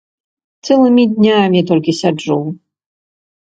Цэлымі днямі толькі сяджу.